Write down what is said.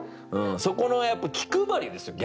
そこのやっぱ気配りですよ。